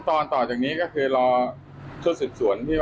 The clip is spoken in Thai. เถอะกันหรือไม่